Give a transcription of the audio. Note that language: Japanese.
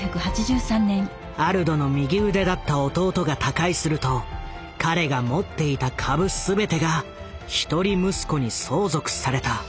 アルドの右腕だった弟が他界すると彼が持っていた株全てが一人息子に相続された。